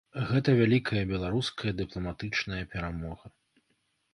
Гэта вялікая беларуская дыпламатычная перамога.